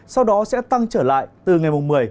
sau đó sẽ tăng trở lại từ ngày một mươi